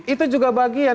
itu juga bagian